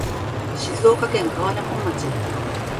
静岡県川根本町